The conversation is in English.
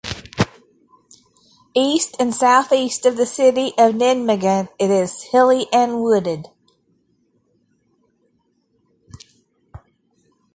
East and southeast of the city of Nijmegen it is hilly and wooded.